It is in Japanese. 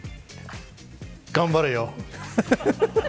頑張れよ。